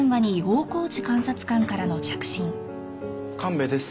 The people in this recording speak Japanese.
神戸です。